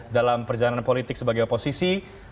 dalam perjalanan politik sebagai oposisi